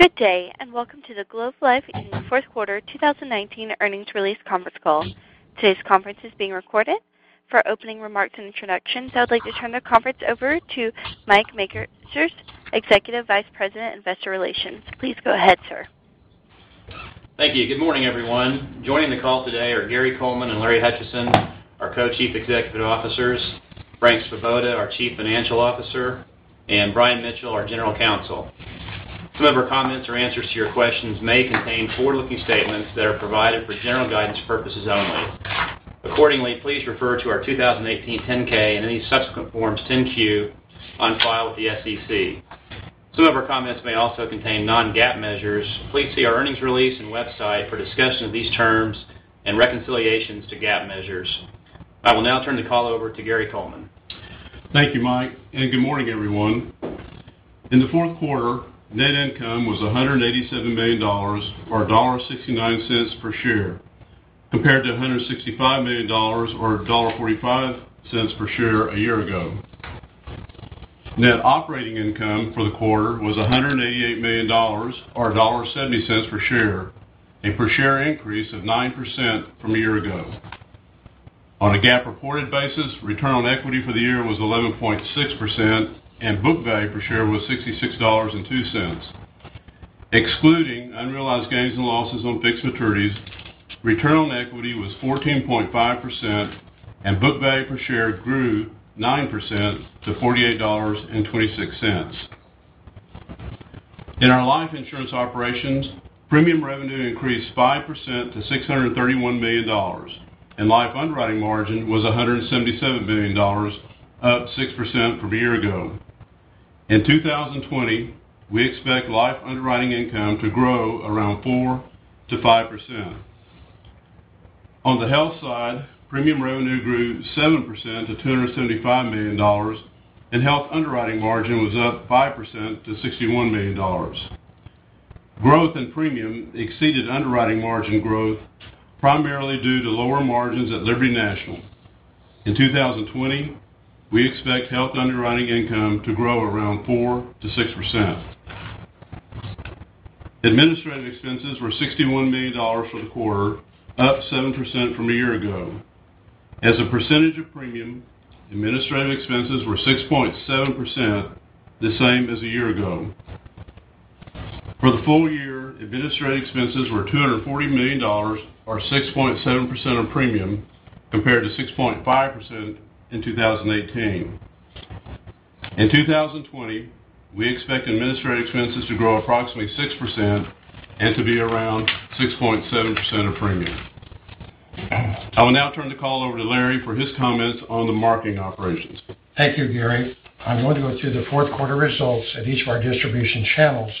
Good day, welcome to the Globe Life fourth-quarter 2019 earnings release conference call. Today's conference is being recorded. For opening remarks and introductions, I would like to turn the conference over to Mike Majors, Executive Vice President, Investor Relations. Please go ahead, sir. Thank you. Good morning, everyone. Joining the call today are Gary Coleman and Larry Hutchison, our Co-Chief Executive Officers, Frank Svoboda, our Chief Financial Officer, and Brian Mitchell, our General Counsel. Some of our comments or answers to your questions may contain forward-looking statements that are provided for general guidance purposes only. Accordingly, please refer to our 2018 10-K and any subsequent forms, 10-Q, on file with the SEC. Some of our comments may also contain non-GAAP measures. Please see our earnings release and website for a discussion of these terms and reconciliations to GAAP measures. I will now turn the call over to Gary Coleman. Thank you, Mike. Good morning, everyone. In the fourth quarter, net income was $187 million, or $1.69 per share, compared to $165 million, or $1.45 per share, a year ago. Net operating income for the quarter was $188 million, or $1.70 per share, a per-share increase of 9% from a year ago. On a GAAP-reported basis, return on equity for the year was 11.6%, and book value per share was $66.02. Excluding unrealized gains and losses on fixed maturities, return on equity was 14.5%, and book value per share grew 9% to $48.26. In our life insurance operations, premium revenue increased 5% to $631 million, and life underwriting margin was $177 million, up 6% from a year ago. In 2020, we expect life underwriting income to grow around 4%-5%. On the health side, premium revenue grew 7% to $275 million, and health underwriting margin was up 5% to $61 million. Growth in premium exceeded underwriting margin growth primarily due to lower margins at Liberty National. In 2020, we expect health underwriting income to grow around 4%-6%. Administrative expenses were $61 million for the quarter, up 7% from a year ago. As a percentage of premium, administrative expenses were 6.7%, the same as a year ago. For the full year, administrative expenses were $240 million, or 6.7% of premium, compared to 6.5% in 2018. In 2020, we expect administrative expenses to grow approximately 6% and to be around 6.7% of premium. I will now turn the call over to Larry for his comments on the marketing operations. Thank you, Gary. I'm going to go through the fourth quarter results at each of our distribution channels.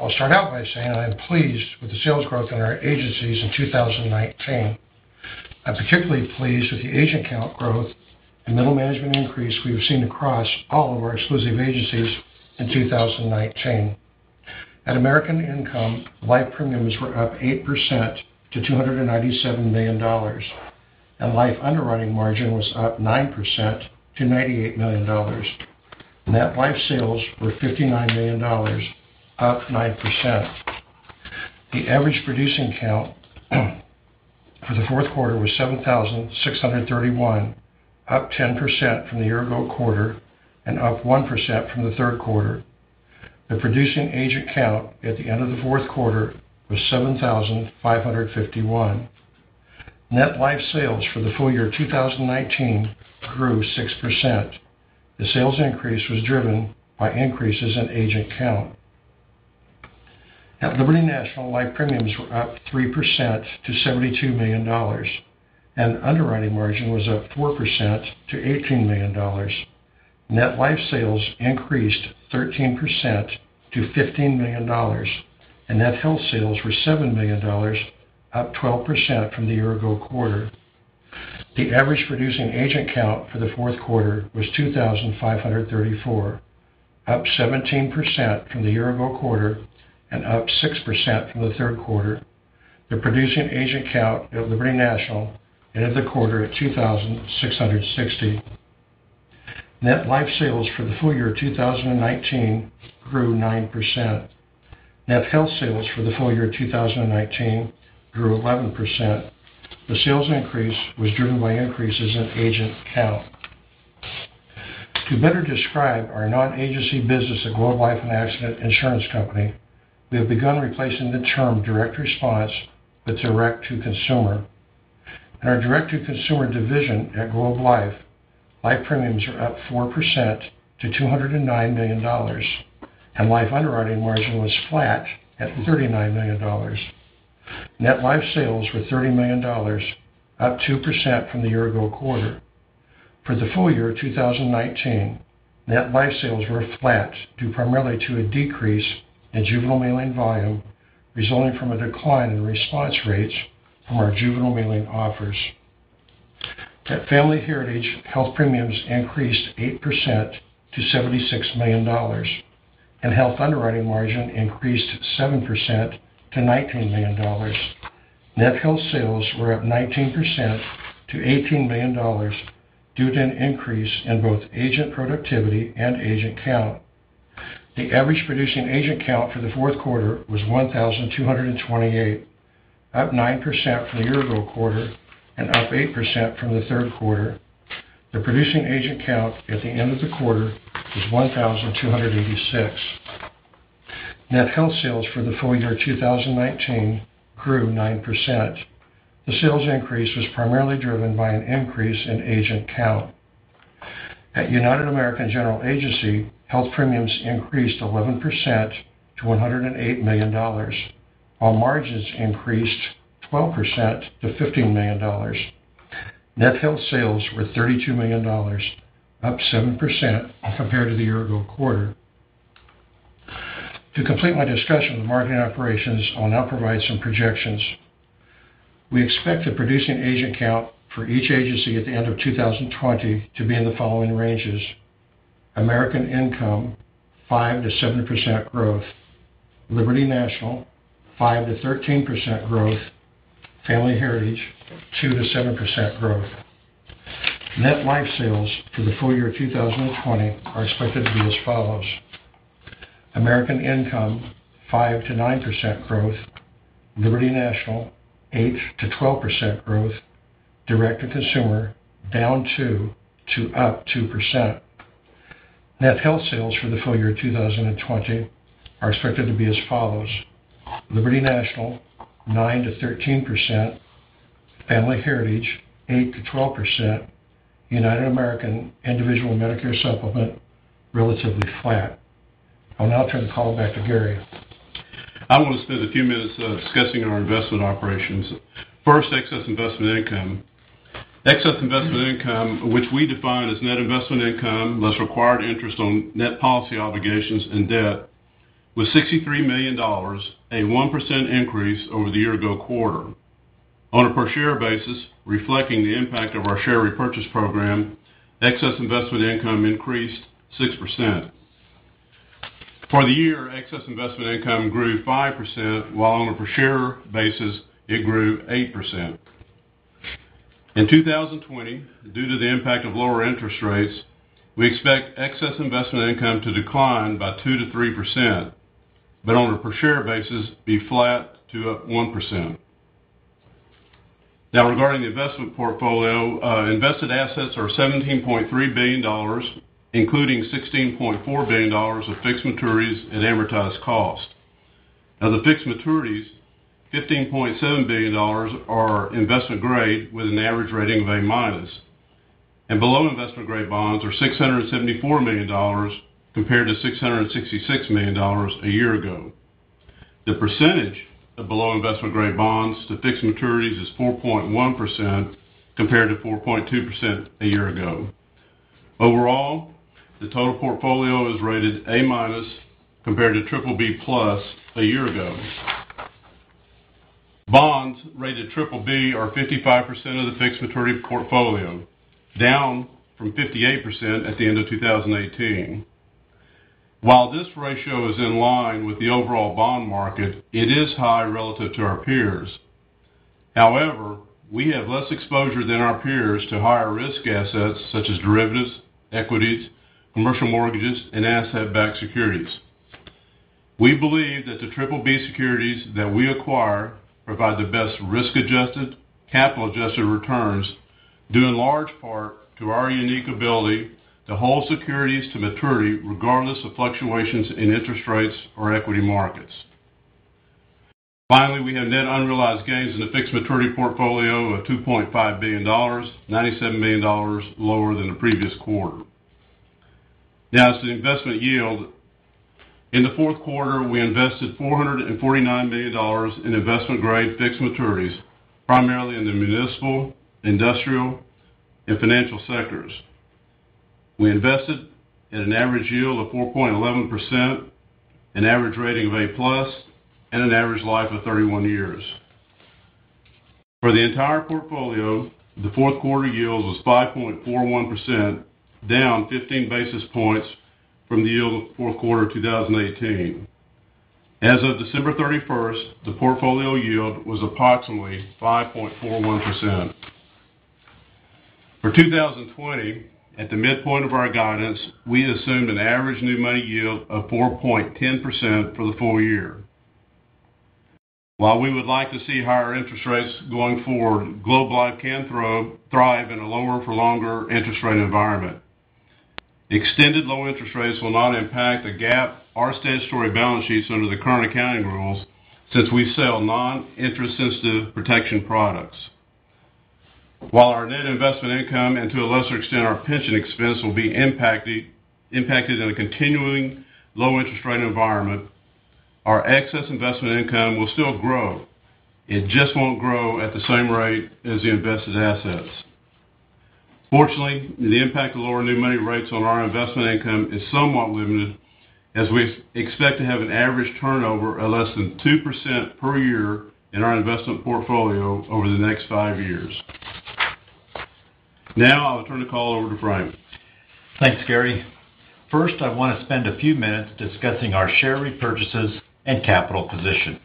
I'll start out by saying I'm pleased with the sales growth in our agencies in 2019. I'm particularly pleased with the agent count growth and middle management increase we have seen across all of our exclusive agencies in 2019. At American Income, life premiums were up 8% to $297 million, and life underwriting margin was up 9% to $98 million. Net life sales were $59 million, up 9%. The average producing count for the fourth quarter was 7,631, up 10% from the year-ago quarter and up 1% from the third quarter. The producing agent count at the end of the fourth quarter was 7,551. Net life sales for the full year 2019 grew 6%. The sales increase was driven by increases in agent count. At Liberty National, life premiums were up 3% to $72 million, and underwriting margin was up 4% to $18 million. Net life sales increased 13% to $15 million, and net health sales were $7 million, up 12% from the year-ago quarter. The average producing agent count for the fourth quarter was 2,534, up 17% from the year-ago quarter and up 6% from the third quarter. The producing agent count at Liberty National ended the quarter at 2,660. Net life sales for the full year 2019 grew 9%. Net health sales for the full year 2019 grew 11%. The sales increase was driven by increases in agent count. To better describe our non-agency business at Globe Life and Accident Insurance Company, we have begun replacing the term direct response with direct-to-consumer. In our direct-to-consumer division at Globe Life, life premiums are up 4% to $209 million, and life underwriting margin was flat at $39 million. Net life sales were $30 million, up 2% from the year-ago quarter. For the full year 2019, net life sales were flat due primarily to a decrease in juvenile mailing volume resulting from a decline in response rates from our juvenile mailing offers. At Family Heritage, health premiums increased 8% to $76 million, and health underwriting margin increased 7% to $19 million. Net health sales were up 19% to $18 million due to an increase in both agent productivity and agent count. The average producing agent count for the fourth quarter was 1,228, up 9% from the year-ago quarter and up 8% from the third quarter. The producing agent count at the end of the quarter was 1,286. Net health sales for the full year 2019 grew 9%. The sales increase was primarily driven by an increase in agent count. At United American General Agency, health premiums increased 11% to $108 million, while margins increased 12% to $15 million. Net health sales were $32 million, up 7% compared to the year-ago quarter. To complete my discussion of the marketing operations, I'll now provide some projections. We expect the producing agent count for each agency at the end of 2020 to be in the following ranges: American Income, 5%-7% growth; Liberty National, 5%-13% growth; Family Heritage, 2%-7% growth. Net life sales for the full year 2020 are expected to be as follows: American Income, 5%-9% growth; Liberty National, 8%-12% growth; Direct to Consumer, down 2% to up 2%. Net health sales for the full year 2020 are expected to be as follows: Liberty National, 9%-13%; Family Heritage, 8%-12%; United American Individual Medicare Supplement, relatively flat. I'll now turn the call back to Gary. I want to spend a few minutes discussing our investment operations. First, excess investment income. Excess investment income, which we define as net investment income, less required interest on net policy obligations and debt, was $63 million, a 1% increase over the year-ago quarter. On a per-share basis, reflecting the impact of our share repurchase program, excess investment income increased 6%. For the year, excess investment income grew 5%, while on a per-share basis, it grew 8%. In 2020, due to the impact of lower interest rates, we expect excess investment income to decline by 2%-3%, but on a per-share basis, be flat to up 1%. Regarding the investment portfolio, invested assets are $17.3 billion, including $16.4 billion of fixed maturities at amortized cost. Of the fixed maturities, $15.7 billion are investment-grade with an average rating of A-minus, and below investment-grade bonds are $674 million compared to $666 million a year ago. The percentage of below investment-grade bonds to fixed maturities is 4.1% compared to 4.2% a year ago. Overall, the total portfolio is rated A- compared to BBB+ a year ago. Bonds rated BBB are 55% of the fixed maturity portfolio, down from 58% at the end of 2018. While this ratio is in line with the overall bond market, it is high relative to our peers. However, we have less exposure than our peers to higher-risk assets such as derivatives, equities, commercial mortgages, and asset-backed securities. We believe that the Triple B securities that we acquire provide the best risk-adjusted, capital-adjusted returns, due in large part to our unique ability to hold securities to maturity regardless of fluctuations in interest rates or equity markets. Finally, we have net unrealized gains in the fixed maturity portfolio of $2.5 billion, $97 million lower than the previous quarter. Now, as to the investment yield, in the fourth quarter, we invested $449 million in investment-grade fixed maturities, primarily in the municipal, industrial, and financial sectors. We invested at an average yield of 4.11%, an average rating of A+, and an average life of 31 years. For the entire portfolio, the fourth quarter yield was 5.41%, down 15 basis points from the yield of the fourth quarter of 2018. As of December 31st, the portfolio yield was approximately 5.41%. For 2020, at the midpoint of our guidance, we assumed an average new money yield of 4.10% for the full year. While we would like to see higher interest rates going forward, Globe Life can thrive in a lower-for-longer interest rate environment. Extended low interest rates will not impact the GAAP or statutory balance sheets under the current accounting rules, since we sell non-interest-sensitive protection products. While our net investment income and to a lesser extent our pension expense will be impacted in a continuing low-interest-rate environment, our excess investment income will still grow. It just won't grow at the same rate as the invested assets. Fortunately, the impact of lower new money rates on our investment income is somewhat limited, as we expect to have an average turnover of less than 2% per year in our investment portfolio over the next five years. I will turn the call over to Frank. Thanks, Gary. First, I want to spend a few minutes discussing our share repurchases and capital position.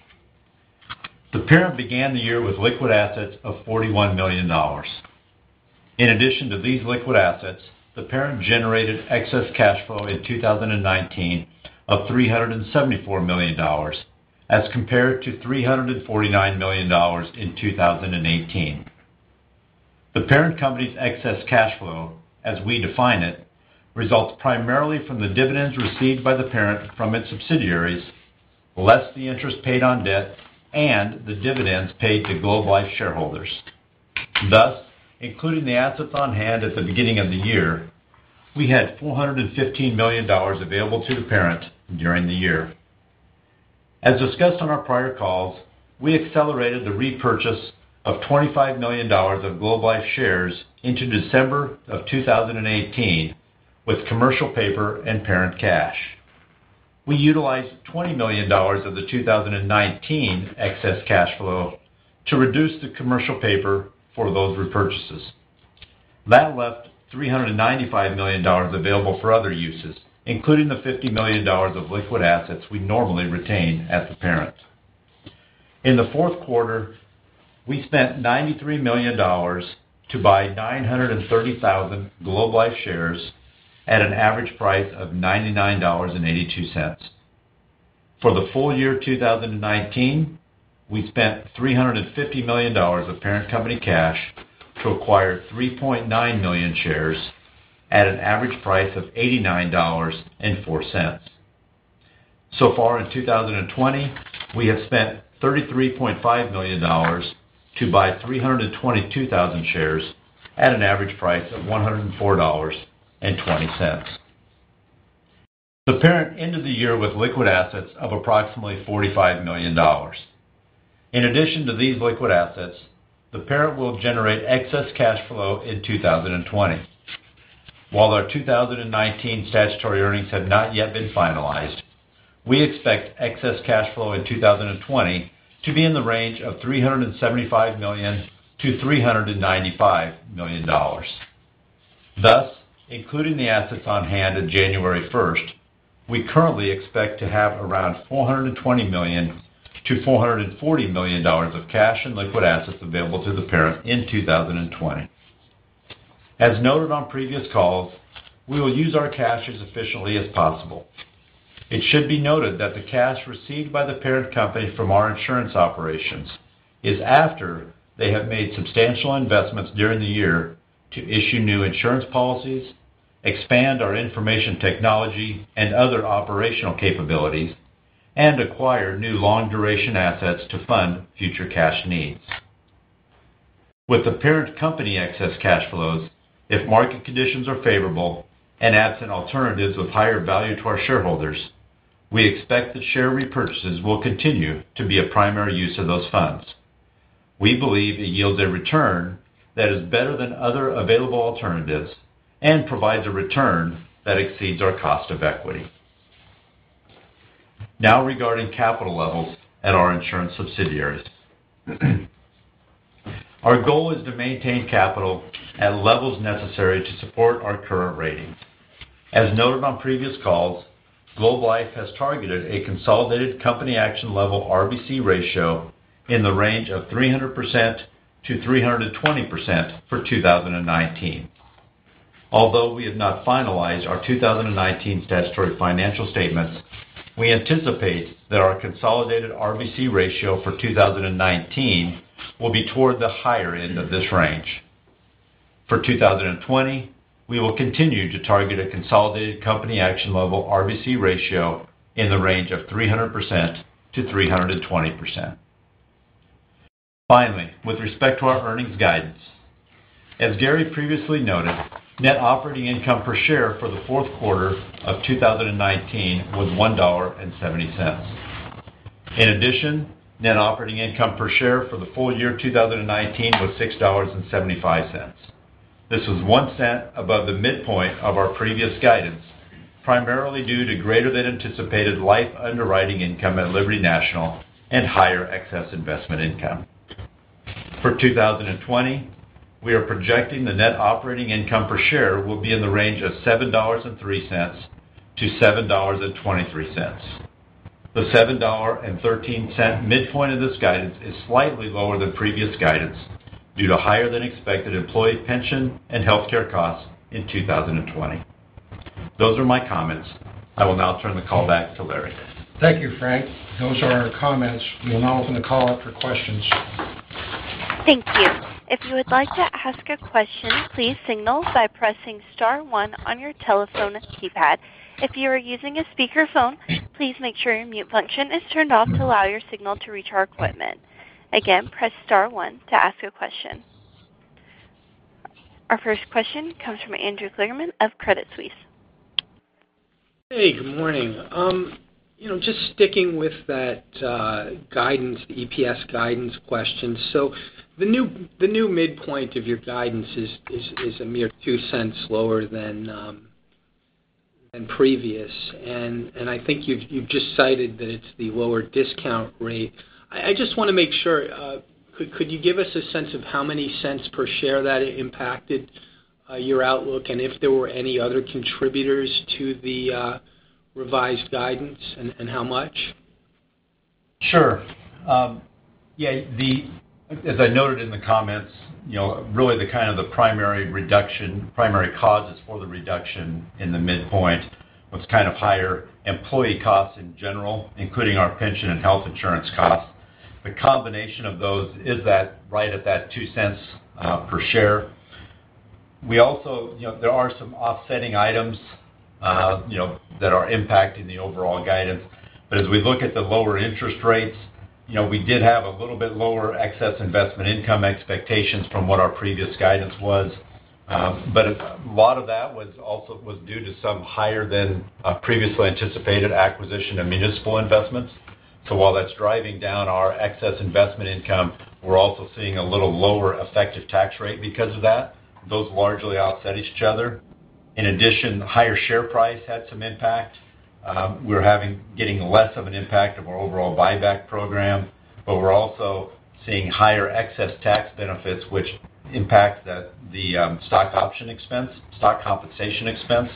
The parent began the year with liquid assets of $41 million. In addition to these liquid assets, the parent generated excess cash flow in 2019 of $374 million, as compared to $349 million in 2018. The parent company's excess cash flow, as we define it, results primarily from the dividends received by the parent from its subsidiaries, less the interest paid on debt and the dividends paid to Globe Life shareholders. Thus, including the assets on hand at the beginning of the year, we had $415 million available to the parent during the year. As discussed on our prior calls, we accelerated the repurchase of $25 million of Globe Life shares into December of 2018 with commercial paper and parent cash. We utilized $20 million of the 2019 excess cash flow to reduce the commercial paper for those repurchases. That left $395 million available for other uses, including the $50 million of liquid assets we normally retain as the parent. In the fourth quarter, we spent $93 million to buy 930,000 Globe Life shares at an average price of $99.82. For the full year 2019, we spent $350 million of parent company cash to acquire 3.9 million shares at an average price of $89.04. So far in 2020, we have spent $33.5 million to buy 322,000 shares at an average price of $104.20. The parent ended the year with liquid assets of approximately $45 million. In addition to these liquid assets, the parent will generate excess cash flow in 2020. While our 2019 statutory earnings have not yet been finalized, we expect excess cash flow in 2020 to be in the range of $375 million-$395 million. Including the assets on hand at January 1st, we currently expect to have around $420 million-$440 million of cash and liquid assets available to the parent in 2020. As noted on previous calls, we will use our cash as efficiently as possible. It should be noted that the cash received by the parent company from our insurance operations is after they have made substantial investments during the year to issue new insurance policies, expand our information technology and other operational capabilities, and acquire new long-duration assets to fund future cash needs. With the parent company excess cash flows, if market conditions are favorable and absent alternatives with higher value to our shareholders, we expect that share repurchases will continue to be a primary use of those funds. We believe it yields a return that is better than other available alternatives and provides a return that exceeds our cost of equity. Regarding capital levels at our insurance subsidiaries. Our goal is to maintain capital at levels necessary to support our current ratings. As noted on previous calls, Globe Life has targeted a consolidated company action level RBC ratio in the range of 300%-320% for 2019. Although we have not finalized our 2019 statutory financial statements, we anticipate that our consolidated RBC ratio for 2019 will be toward the higher end of this range. For 2020, we will continue to target a consolidated company action level RBC ratio in the range of 300%-320%. Finally, with respect to our earnings guidance. As Gary previously noted, net operating income per share for the fourth quarter of 2019 was $1.70. In addition, net operating income per share for the full year 2019 was $6.75. This was $0.01 above the midpoint of our previous guidance, primarily due to greater-than-anticipated life underwriting income at Liberty National and higher excess investment income. For 2020, we are projecting the net operating income per share will be in the range of $7.03-$7.23. The $7.13 midpoint of this guidance is slightly lower than previous guidance due to higher-than-expected employee pension and healthcare costs in 2020. Those are my comments. I will now turn the call back to Larry. Thank you, Frank. Those are our comments. We will now open the call up for questions. Thank you. If you would like to ask a question, please signal by pressing star one on your telephone keypad. If you are using a speakerphone, please make sure your mute function is turned off to allow your signal to reach our equipment. Again, press star one to ask a question. Our first question comes from Andrew Kligerman of Credit Suisse. Hey, good morning. Just sticking with that EPS guidance question. The new midpoint of your guidance is a mere $0.02 lower than the previous. I think you've just cited that it's the lower discount rate. I just want to make sure, could you give us a sense of how many cents per share that impacted your outlook, and if there were any other contributors to the revised guidance, and how much? Sure. Yeah, as I noted in the comments, really the kind of the primary causes for the reduction in the midpoint was kind of higher employee costs in general, including our pension and health insurance costs. The combination of those is that right at that $0.02 per share. There are some offsetting items that are impacting the overall guidance. As we look at the lower interest rates, we did have a little bit lower excess investment income expectations from what our previous guidance was. A lot of that was due to some higher than previously anticipated acquisition of municipal investments. While that's driving down our excess investment income, we're also seeing a little lower effective tax rate because of that. Those largely offset each other. In addition, the higher share price had some impact. We're getting less of an impact of our overall buyback program, but we're also seeing higher excess tax benefits which impact the stock option expense, stock compensation expense.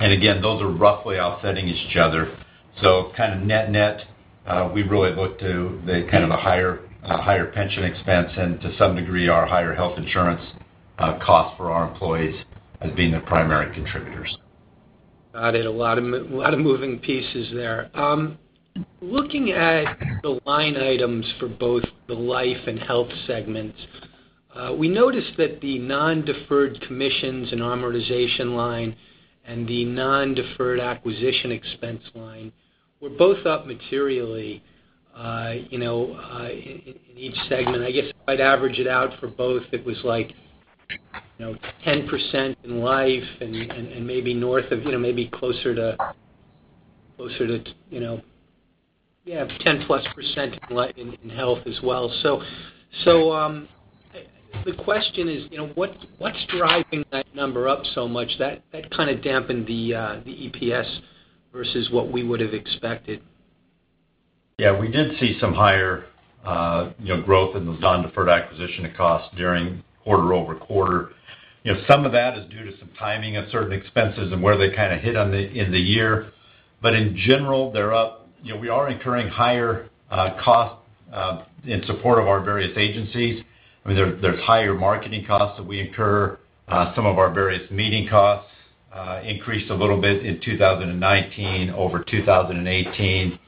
Again, those are roughly offsetting each other. Kind of net-net, we really look to the kind of a higher pension expense and to some degree, our higher health insurance costs for our employees as being the primary contributors. Got it. A lot of moving pieces there. Looking at the line items for both the life and health segments, we noticed that the non-deferred commissions and amortization line and the non-deferred acquisition expense line were both up materially in each segment. I guess if I'd average it out for both, it was like 10% in life and maybe closer to, yeah, 10+% in health as well. The question is, what's driving that number up so much? That kind of dampened the EPS versus what we would have expected. We did see some higher growth in the non-deferred acquisition cost during quarter-over-quarter. Some of that is due to some timing of certain expenses and where they kind of hit in the year. In general, they're up. We are incurring higher costs in support of our various agencies. I mean, there's higher marketing costs that we incur. Some of our various meeting costs increased a little bit in 2019 over 2018.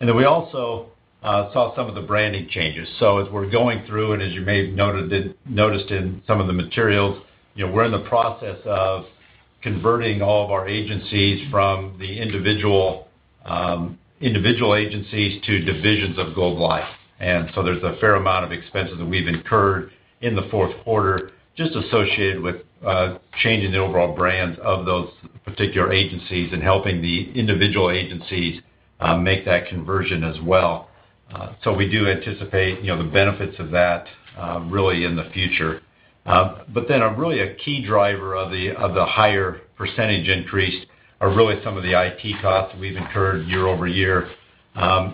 We also saw some of the branding changes. As we're going through, and as you may have noticed in some of the materials, we're in the process of converting all of our agencies from the individual agencies to divisions of Globe Life. There's a fair amount of expenses that we've incurred in the fourth quarter, just associated with changing the overall brand of those particular agencies and helping the individual agencies make that conversion as well. We do anticipate the benefits of that really in the future. Really, a key driver of the higher percentage increase are really some of the IT costs we've incurred year-over-year.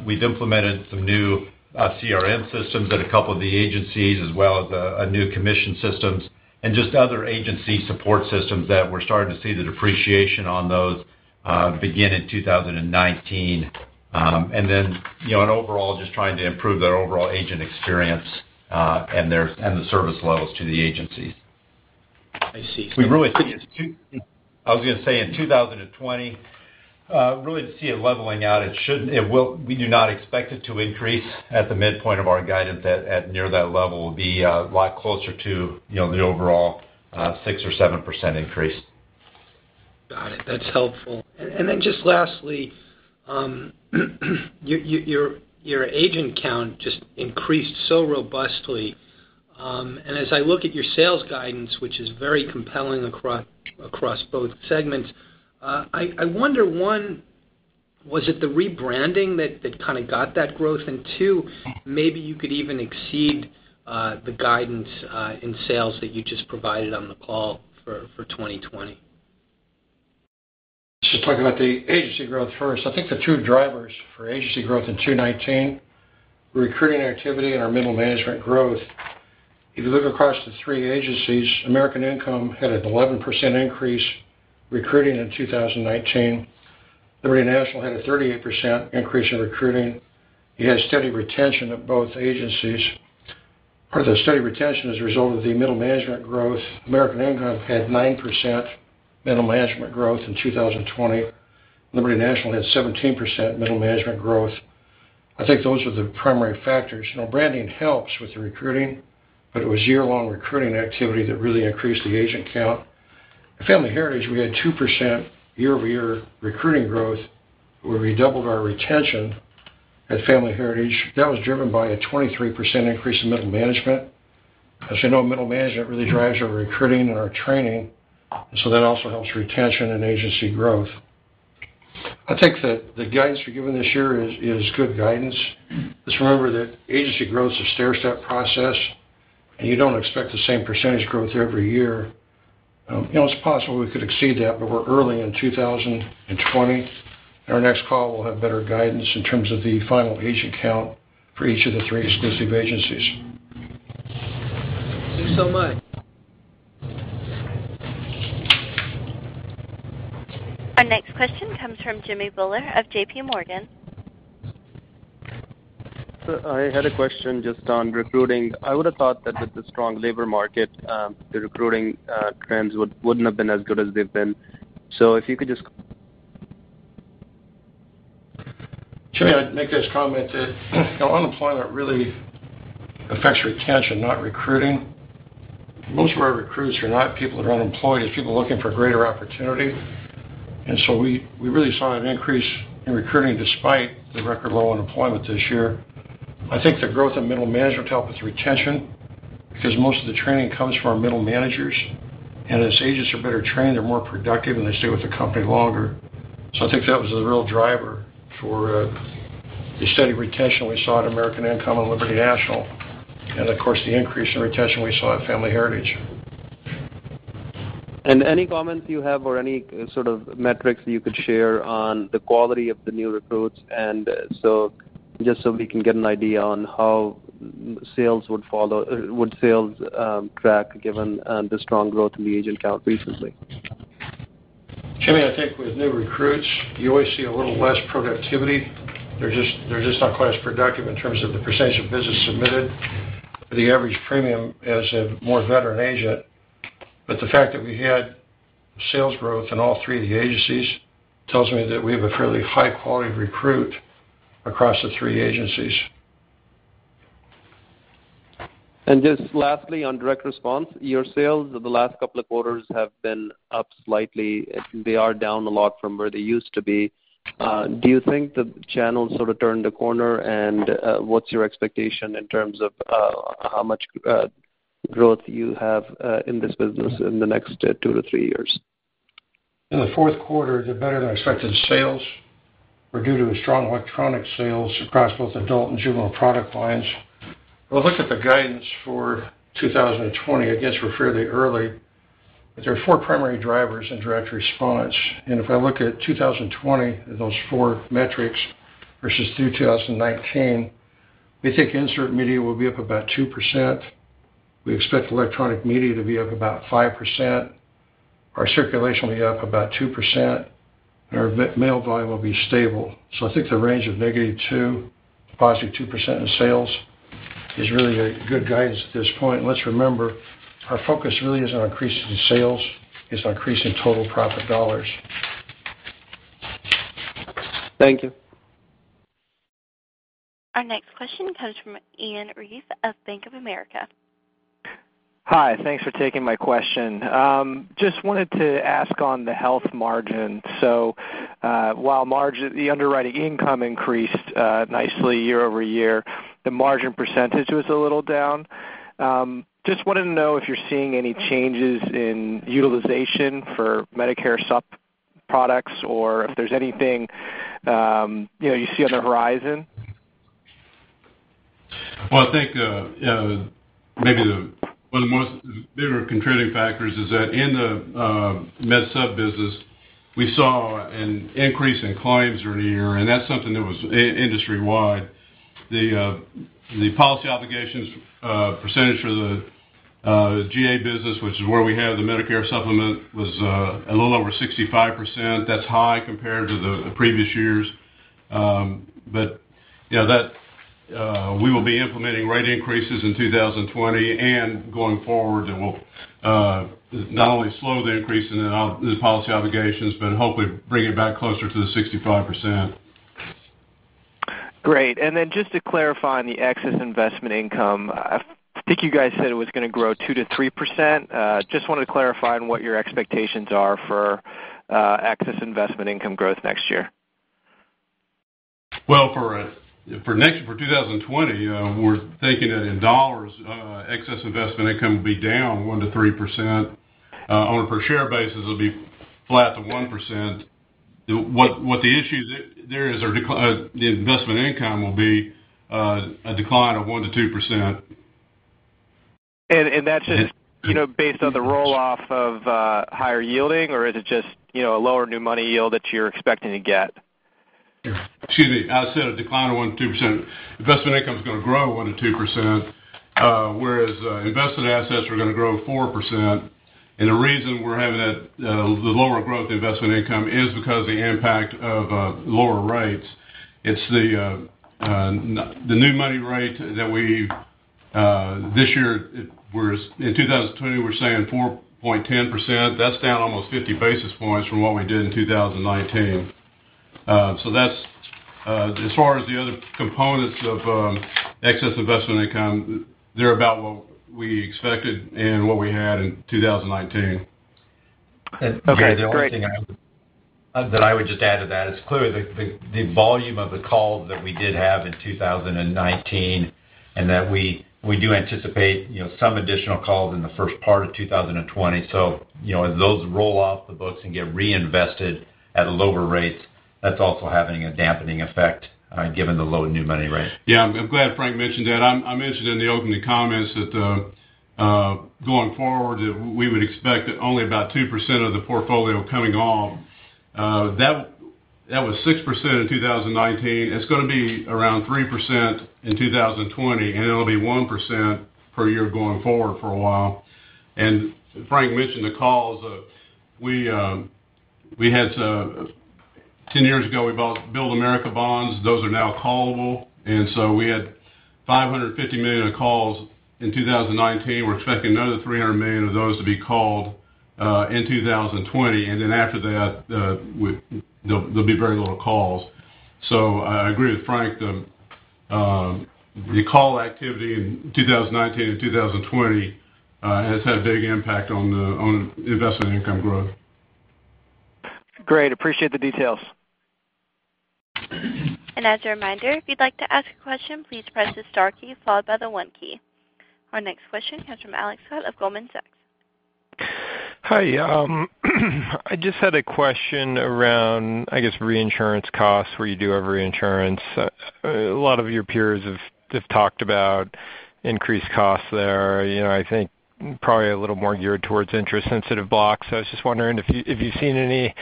We've implemented some new CRM systems at a couple of the agencies, as well as new commission systems and just other agency support systems that we're starting to see the depreciation on those begin in 2019. Overall, just trying to improve their overall agent experience, and the service levels to the agencies. I see. I was going to say, in 2020, really to see it leveling out, we do not expect it to increase at the midpoint of our guidance at near that level. It will be a lot closer to the overall 6% or 7% increase. Got it. That's helpful. Then just lastly, your agent count just increased so robustly. As I look at your sales guidance, which is very compelling across both segments, I wonder, one, was it the rebranding that kind of got that growth? Two, maybe you could even exceed the guidance in sales that you just provided on the call for 2020. Just talk about the agency growth first. I think the two drivers for agency growth in 2019, recruiting activity and our middle management growth. If you look across the three agencies, American Income had an 11% increase recruiting in 2019. Liberty National had a 38% increase in recruiting. You had steady retention at both agencies, or the steady retention as a result of the middle management growth. American Income had 9% middle management growth in 2020. Liberty National had 17% middle management growth. I think those are the primary factors. Branding helps with the recruiting, but it was year-long recruiting activity that really increased the agent count. At Family Heritage, we had 2% year-over-year recruiting growth, where we doubled our retention at Family Heritage. That was driven by a 23% increase in middle management. As you know, middle management really drives our recruiting and our training, so that also helps retention and agency growth. I think that the guidance we're given this year is good guidance. Just remember that agency growth is a stair-step process, and you don't expect the same percentage growth every year. It's possible we could exceed that, but we're early in 2020, and our next call will have better guidance in terms of the final agent count for each of the three exclusive agencies. Thank you so much. Our next question comes from Jimmy Bhullar of JPMorgan. Sir, I had a question just on recruiting. I would've thought that with the strong labor market, the recruiting trends wouldn't have been as good as they've been. Jimmy, I'd make this comment that unemployment really affects retention, not recruiting. Most of our recruits are not people that are unemployed. It's people looking for greater opportunity. We really saw an increase in recruiting despite the record low unemployment this year. I think the growth in middle management helped with retention because most of the training comes from our middle managers. As agents are better trained, they're more productive, and they stay with the company longer. I think that was a real driver for the steady retention we saw at American Income and Liberty National, and of course, the increase in retention we saw at Family Heritage. Any comments you have or any sort of metrics that you could share on the quality of the new recruits, just so we can get an idea on how would sales track given the strong growth in the agent count recently? Jimmy, I think with new recruits, you always see a little less productivity. They're just not quite as productive in terms of the percentage of business submitted or the average premium as a more veteran agent. The fact that we had sales growth in all three of the agencies tells me that we have a fairly high quality of recruit across the three agencies. Just lastly, on direct response, your sales over the last couple of quarters have been up slightly. They are down a lot from where they used to be. Do you think the channel sort of turned the corner? What's your expectation in terms of how much growth you have in this business in the next two to three years? In the fourth quarter, the better-than-expected sales were due to the strong electronic sales across both adult and juvenile product lines. I look at the guidance for 2020, I guess we're fairly early, but there are four primary drivers in direct response. I look at 2020 at those four metrics versus 2019, we think insert media will be up about 2%. We expect electronic media to be up about 5%. Our circulation will be up about 2%, and our mail volume will be stable. I think the range of -2% to +2% in sales is really a good guidance at this point. Let's remember, our focus really isn't on increasing sales, it's on increasing total profit dollars. Thank you. Our next question comes from Ian Ryave of Bank of America. Hi. Thanks for taking my question. Just wanted to ask on the health margin. While the underwriting income increased nicely year-over-year, the margin percentage was a little down. Just wanted to know if you're seeing any changes in utilization for Medicare Supp or if there's anything you see on the horizon? I think, maybe one of the most bigger contributing factors is that in the Medicare Supp business, we saw an increase in claims year-to-year, and that's something that was industry-wide. The policy obligations percentage for the GA business, which is where we have the Medicare Supplement, was a little over 65%. That's high compared to the previous years. We will be implementing rate increases in 2020 and going forward that will, not only slow the increase in the policy obligations but hopefully bring it back closer to the 65%. Great. Just to clarify on the excess investment income, I think you guys said it was going to grow 2%-3%. Just wanted to clarify on what your expectations are for excess investment income growth next year. Well, for 2020, we're thinking that in dollars, excess investment income will be down 1%-3%. On a per share basis, it'll be flat to 1%. What the issue there is, the investment income will be a decline of 1%-2%. That's just based on the roll-off of higher yielding or is it just a lower new money yield that you're expecting to get? Excuse me. I said a decline of 1%-2%. Investment income is going to grow 1%-2%, whereas invested assets are going to grow 4%. The reason we're having the lower growth investment income is because of the impact of lower rates. It's the new money rate that this year, in 2020, we're saying 4.10%. That's down almost 50 basis points from what we did in 2019. As far as the other components of excess investment income, they're about what we expected and what we had in 2019. Okay, great. The only thing that I would just add to that is clearly the volume of the calls that we did have in 2019, and that we do anticipate some additional calls in the first part of 2020. As those roll off the books and get reinvested at lower rates. That's also having a dampening effect given the low new money rate. Yeah, I'm glad Frank mentioned that. I mentioned in the opening comments that going forward, we would expect that only about 2% of the portfolio coming on. That was 6% in 2019. It's going to be around 3% in 2020, and it'll be 1% per year going forward for a while. Frank mentioned the calls. 10 years ago, we bought Build America Bonds. Those are now callable, we had $550 million of calls in 2019. We're expecting another $300 million of those to be called in 2020. After that, there'll be very little calls. I agree with Frank, the call activity in 2019 and 2020 has had a big impact on the investment income growth. Great. Appreciate the details. As a reminder, if you'd like to ask a question, please press the star key followed by the one key. Our next question comes from Alex Scott of Goldman Sachs. Hi. I just had a question around, I guess, reinsurance costs, where you do have reinsurance. A lot of your peers have just talked about increased costs there, I think probably a little more geared towards interest-sensitive blocks. I was just wondering if you've seen any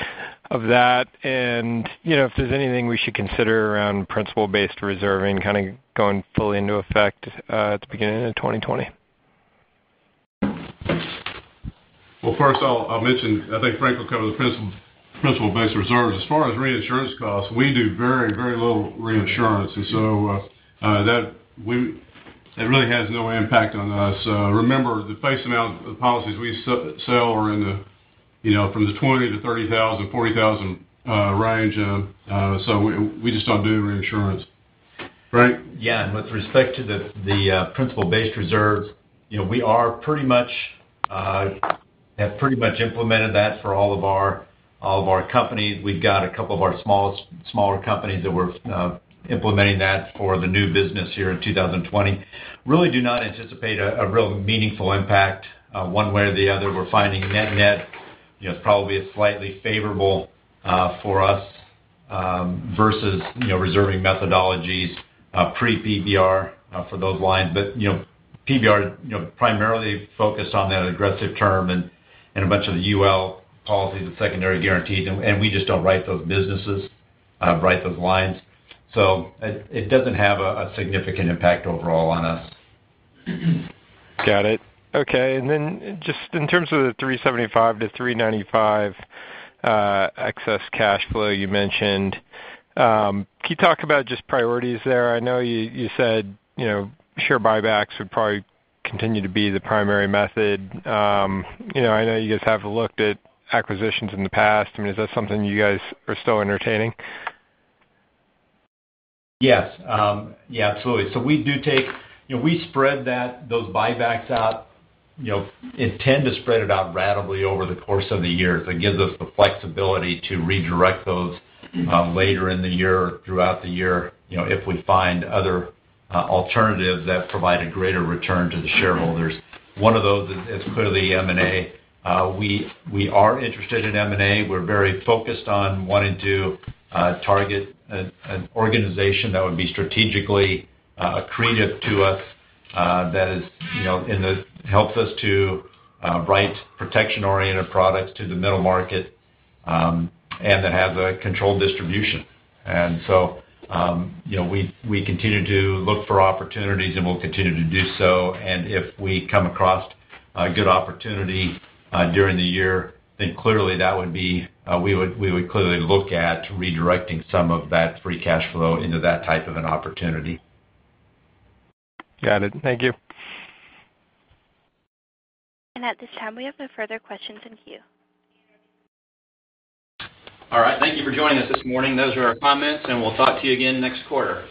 of that and if there's anything we should consider around principle-based reserving kind of going fully into effect at the beginning of 2020. Well, first I'll mention, I think Frank will cover the principle-based reserves. As far as reinsurance costs, we do very little reinsurance, and so it really has no impact on us. Remember, the face amount of the policies we sell are from the $20,000 to $30,000, $40,000 range, so we just don't do reinsurance. Frank? Yeah, with respect to the principle-based reserves, we have pretty much implemented that for all of our companies. We've got a couple of our smaller companies that we're implementing that for the new business here in 2020. Really do not anticipate a real meaningful impact one way or the other. We're finding net-net, it's probably slightly favorable for us versus reserving methodologies pre-PBR for those lines. PBR primarily focused on that aggressive term and a bunch of the UL policies with secondary guarantees, and we just don't write those businesses, write those lines. It doesn't have a significant impact overall on us. Got it. Okay, then just in terms of the $375-$395 excess cash flow you mentioned, can you talk about just priorities there? I know you said share buybacks would probably continue to be the primary method. I know you guys have looked at acquisitions in the past. Is that something you guys are still entertaining? Yes. Absolutely. We spread those buybacks out, intend to spread it out ratably over the course of the year. It gives us the flexibility to redirect those later in the year, throughout the year, if we find other alternatives that provide a greater return to the shareholders. One of those is clearly M&A. We are interested in M&A. We're very focused on wanting to target an organization that would be strategically accretive to us, that helps us to write protection-oriented products to the middle market, and that has a controlled distribution. We continue to look for opportunities, and we'll continue to do so. If we come across a good opportunity during the year, we would clearly look at redirecting some of that free cash flow into that type of an opportunity. Got it. Thank you. At this time, we have no further questions in queue. All right. Thank you for joining us this morning. Those are our comments, and we'll talk to you again next quarter.